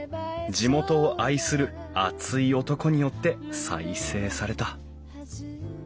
地元を愛する熱い男によって再生された」。